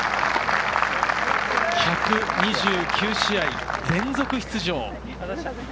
１２９試合連続出場。